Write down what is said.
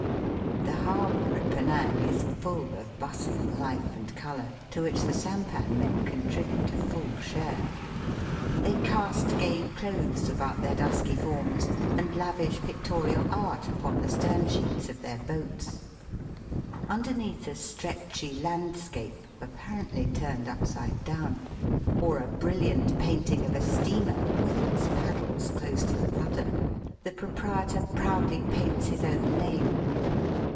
The harbour at Penang is fall of bustling life and colour, to which the sampan men contribute a full share. They cast gay clothes about their dusky forms, and lavish pictorial art upon the stern sheets of their boats. Underneath a stretchy landscape (apparently turned upside down), or a briUiant painting of a steamer with its paddles close to the rudder, the proprietor proudly paints his own name.